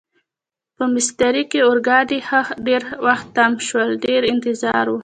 په میسترې کې اورګاډي ښه ډېر وخت تم شول، ډېر انتظار و.